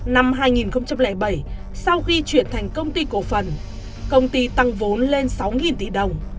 năm hai nghìn bảy sau khi chuyển thành công ty cổ phần công ty tăng vốn lên sáu tỷ đồng